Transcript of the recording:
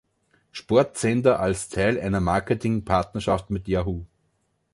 Sport-Sender als Teil einer Marketing-Partnerschaft mit Yahoo!.